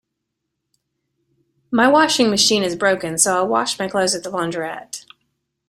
My washing machine is broken, so I'll wash my clothes at the launderette